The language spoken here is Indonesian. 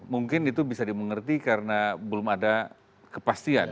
mungkin itu bisa dimengerti karena belum ada kepastian